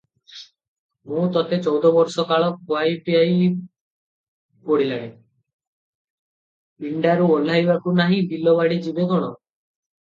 "ମୁଁ ତୋତେ ଚଉଦ ବରଷ କାଳ ଖୁଆଇ ପିଆଇ ପଡ଼ିଲାଣି, ପିଣ୍ଡାରୁ ଓହ୍ଲାଇବାକୁ ନାହିଁ, ବିଲବାଡ଼ି ଯିବେ କଣ?